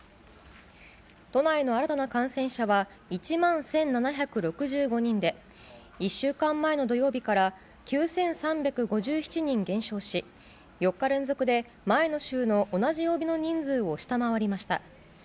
都内の新たな感染者は、１万１７６５人で、１週間前の土曜日から９３５７人減少し、４日連続で前の週の同じ曜日の人数を下回りました。